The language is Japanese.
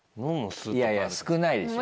いやいや少ないでしょ。